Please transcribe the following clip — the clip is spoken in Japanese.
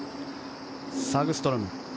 サグストロム。